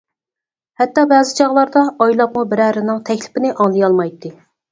ھەتتا بەزى چاغلاردا ئايلاپمۇ بىرەرىنىڭ تەكلىپىنى ئاڭلىيالمايتتى.